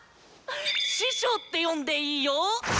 師匠って呼んでいいよ！